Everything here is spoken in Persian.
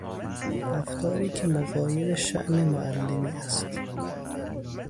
رفتاری که مغایر شاءن معلمی است